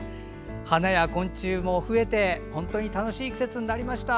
花や昆虫の種類も増えて本当に楽しい季節になりました。